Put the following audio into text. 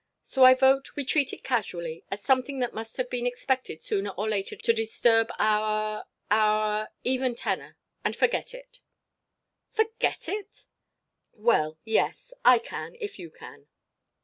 So I vote we treat it casually, as something that must have been expected sooner or later to disturb our our even tenor and forget it." "Forget it?" "Well, yes. I can if you can."